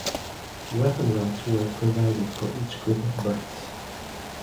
Weapon racks were provided for each group of berths.